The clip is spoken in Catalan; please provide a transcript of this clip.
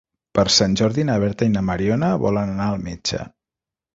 Per Sant Jordi na Berta i na Mariona volen anar al metge.